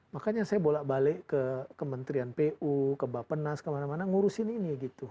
makanya saya bolak balik ke kementerian pu ke bapenas kemana mana ngurusin ini gitu